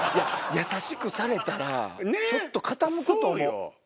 優しくされたらちょっと傾くと思う。